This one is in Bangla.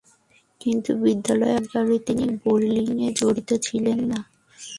কিন্তু বিদ্যালয়ে অধ্যয়নকালীন তিনি বোলিংয়ে জড়িত ছিলেন না।